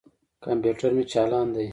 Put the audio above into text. کمپیوټر مې چالاند دي.